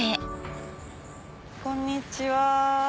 こんにちは。